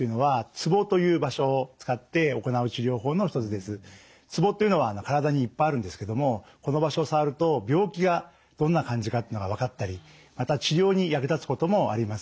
ツボっていうのは体にいっぱいあるんですけどもこの場所を触ると病気がどんな感じかっていうのが分かったりまた治療に役立つこともあります。